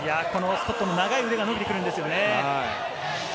スコットの長い腕が伸びてくるんですよね。